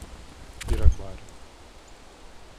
Piraquara